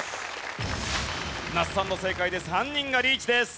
那須さんの正解で３人がリーチです。